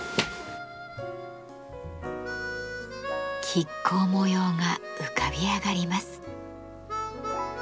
亀甲模様が浮かび上がります。